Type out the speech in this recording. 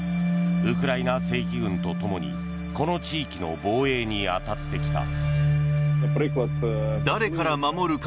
ウクライナ正規軍と共にこの地域の防衛に当たってきた。